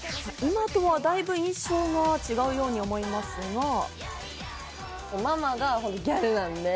今とはだいぶ印象が違うように思いますが。